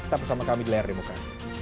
kita bersama kami di layar di muka